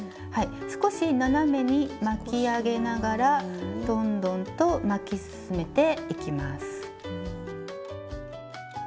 少し斜めに巻き上げながらどんどんと巻き進めていきます。